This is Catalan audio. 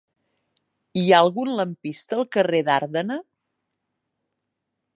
Hi ha algun lampista al carrer d'Ardena?